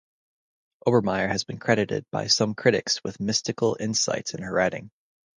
Obermeier has been credited by some critics with mystical insights in her writing.